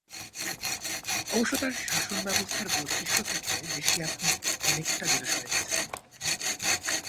অবশ্য তাঁর শাসনব্যবস্থার বৈশিষ্ট্য থেকে দেশটি এখন অনেকটা দূরে সরে গেছে।